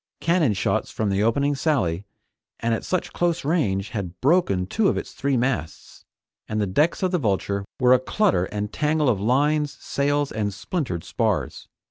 Cannon shots from the opening sally, and at such close range, had broken two of its three masts, and the decks of the Vulture were a clutter and tangle of lines, sails and splintered spars.